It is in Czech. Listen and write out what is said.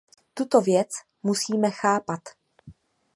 Tuto věc musíme chápat.